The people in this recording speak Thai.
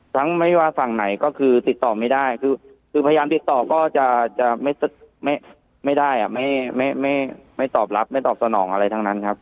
ไม่ว่าฝั่งไหนก็คือติดต่อไม่ได้คือพยายามติดต่อก็จะไม่ได้ไม่ตอบรับไม่ตอบสนองอะไรทั้งนั้นครับ